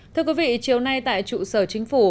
thưa quý vị chiều nay tại trụ sở chính phủ